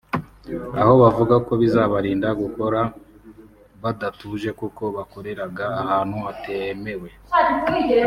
aho bavuga ko bizabarinda gukora badatuje kuko bakoreraga ahantu hatemewe